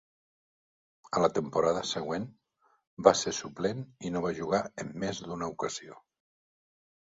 A la temporada següent, va ser suplent i no va jugar en més d'una ocasió.